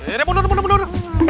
ya udah mundur mundur mundur